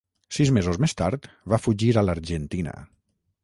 Sis mesos més tard, va fugir a l'Argentina.